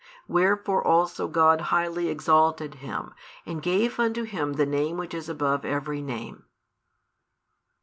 Wherefore also God highly exalted Him, and gave unto Him the Name which is above every name.